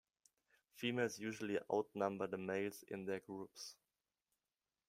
Females usually outnumber the males in their groups.